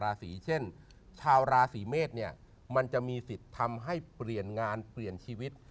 ราศีเช่นชาวราศีเมษเนี่ยมันจะมีสิทธิ์ทำให้เปลี่ยนงานเปลี่ยนชีวิต